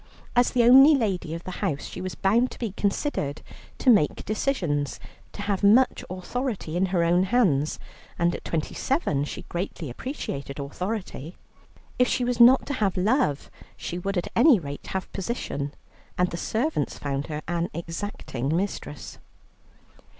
As the only lady of the house, she was bound to be considered, to make decisions, to have much authority in her own hands, and at twenty seven she greatly appreciated authority. If she was not to have love, she would at any rate have position, and the servants found her an exacting mistress.